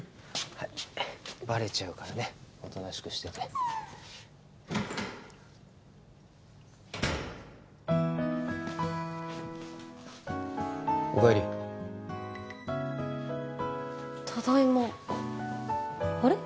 はいバレちゃうからねおとなしくしててお帰りただいまあれ？